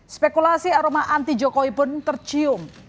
spekulasi aroma anti jokowi pun tercium